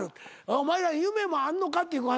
お前ら夢もあんのかっていう。